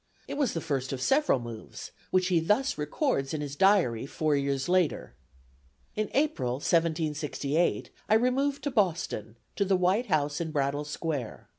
It was the first of several moves, which he thus records in his diary four years later: "In April, 1768, I removed to Boston, to the white house in Brattle Square.